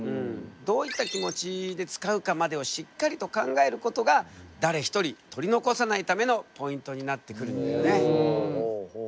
どういった気持ちで使うかまでをしっかりと考えることが誰ひとり取り残さないためのポイントになってくるんだよね。